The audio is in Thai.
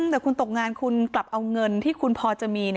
แต่คุณตกงานคุณกลับเอาเงินที่คุณพอจะมี